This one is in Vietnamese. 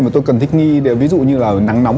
mà tôi cần thích nghi để ví dụ như là nắng nóng